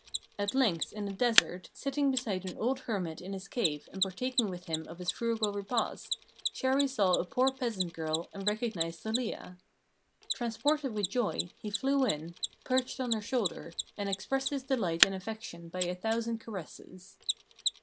At length in a desert, sitting beside an old hermit in his cave and partaking with him of his frugal repast, Chéri saw a poor peasant girl and recognized Zelia. Transported with joy, he flew in, perched on her shoulder, and expressed his delight and affection by a thousand caresses.